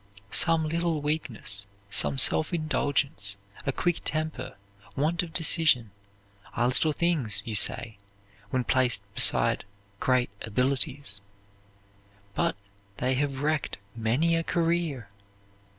Some little weakness, some self indulgence, a quick temper, want of decision, are little things, you say, when placed beside great abilities, but they have wrecked many a career.